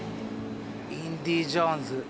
「インディー・ジョーンズ」。